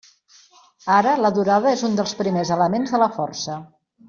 Ara, la durada és un dels primers elements de la força.